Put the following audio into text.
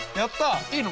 いいの？